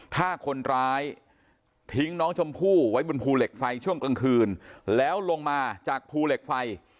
ถ้าคนร้ายทิ้งน้องชมพู่ไว้บนภูเหล็กไฟช่วงกลางคืนแล้วลงมาจากภูเหล็กไฟ